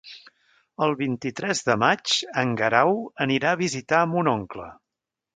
El vint-i-tres de maig en Guerau anirà a visitar mon oncle.